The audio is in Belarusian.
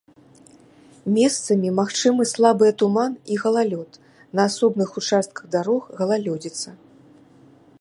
Месцамі магчымы слабыя туман і галалёд, на асобных участках дарог галалёдзіца.